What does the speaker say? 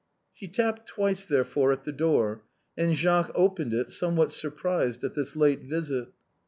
She tapped twice, therefore, at the door, and Jacques opened it, somewhat surprised at this late visit.